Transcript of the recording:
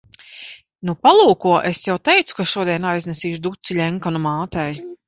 Nu, palūko. Es jau teicu, ka šodien aiznesīšu duci Ļenkanu mātei.